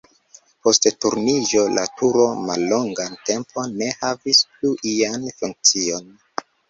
Post Turniĝo la tuto mallongan tempon ne havis plu ian funkcion.